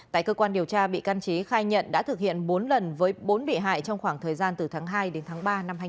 tại cơ quan điều tra bị can trí khai nhận đã thực hiện bốn lần với bốn bị hại trong khoảng thời gian từ tháng hai đến tháng ba